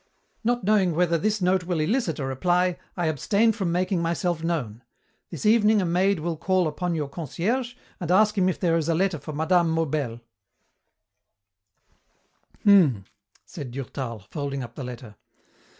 "Not knowing whether this note will elicit a reply, I abstain from making myself known. This evening a maid will call upon your concierge and ask him if there is a letter for Mme. Maubel." "Hmm!" said Durtal, folding up the letter.